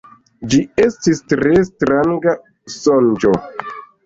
Ĝi estis tre stranga sonĝo.